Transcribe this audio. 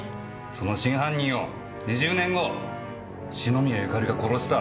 その真犯人を２０年後篠宮ゆかりが殺した。